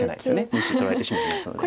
２子取られてしまいますので。